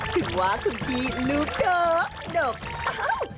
ถึงว่าคุณพี่ลูกโกะดกอ้าว